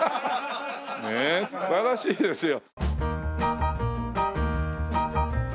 ねえ素晴らしいですよ。